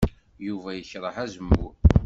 Yuba yekṛeh azemmur.